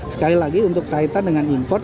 sekali lagi untuk kaitan dengan impor